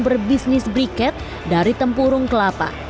berbisnis briket dari tempurung kelapa